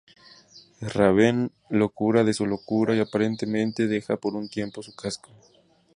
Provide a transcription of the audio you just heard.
Raven lo cura de su locura y aparentemente deja por un tiempo su casco.